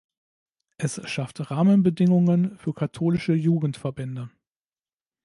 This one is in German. Es schafft Rahmenbedingungen für katholische Jugendverbände.